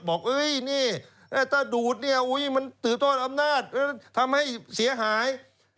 บอกเอ้ยนี่ถ้าดูดเนี่ยอุ้ยมันถือต้นอำนาจทำให้เสียหาย